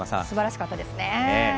すばらしかったですね。